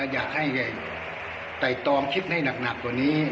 อยากให้ใต้ตอมคิดให้หนักตัวนี้